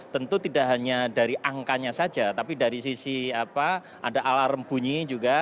tentu tidak hanya dari angkanya saja tapi dari sisi ada alarm bunyi juga